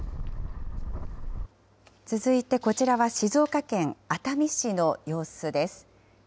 続いてこちらは静岡県熱海市の様子です。